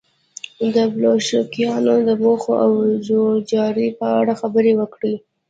د بلشویکانو د موخو او جوړجاړي په اړه خبرې وکړي.